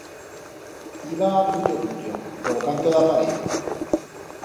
Iba cutio-cutio, por o canto d'a paret.